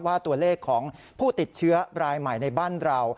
ว่าตัวเลขของผู้ติดเชื้อรายใหม่ในบ้านเรา